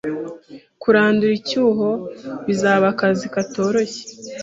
Kurandura icyuho bizaba akazi katoroshye